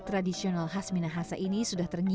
kemudian punya bentuk yang soko di puntang lantai